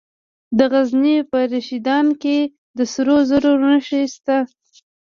د غزني په رشیدان کې د سرو زرو نښې شته.